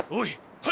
はい！